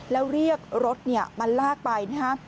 แล้วเรียกรถมาลากไปนะฮะ